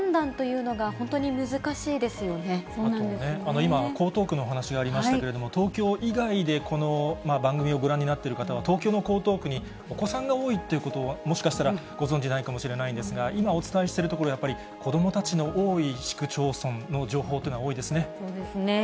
今、江東区の話がありましたが、東京以外でこの番組をご覧になっている方は、東京の江東区にお子さんが多いということを、もしかしたら、ご存じないかもしれないんですが、今お伝えしている所で、やっぱり子どもたちの多い市区町村の情報というのが多いですね。